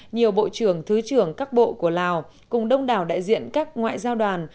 nhiều bộ trưởng thứ trưởng các bộ của lào cùng đông đảo đại diện các ngoại giao đoàn